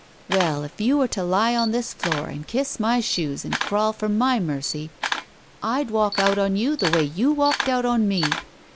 Well, if you were to lie on this floor and kiss my shoes and crawl for my mercy I'd walk out on you the way you walked out on me.